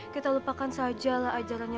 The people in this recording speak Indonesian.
kita lupakan sajalah ajarannya